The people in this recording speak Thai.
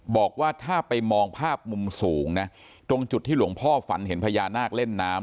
บอกว่าถ้าไปมองภาพมุมสูงนะตรงจุดที่หลวงพ่อฝันเห็นพญานาคเล่นน้ำ